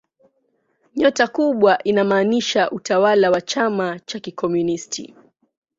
Nyota kubwa inamaanisha utawala wa chama cha kikomunisti.